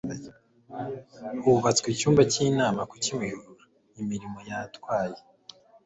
hubatswe icyumba cy inama ku kimihurura imirimo yatwaye